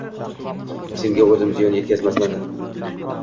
Senga o‘zim ziyon yetkazmasam.